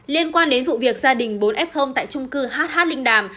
liên quan đến vụ việc gia đình bốn f tại trung cư hh linh đàm